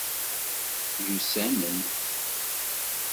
Myussanen?